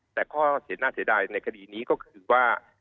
แต่ข้อเสียด้ายในคดีนี้ก็คือว่า